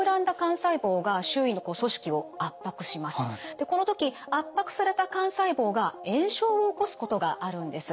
でこの時圧迫された肝細胞が炎症を起こすことがあるんです。